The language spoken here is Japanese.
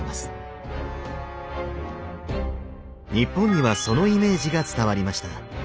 日本にはそのイメージが伝わりました。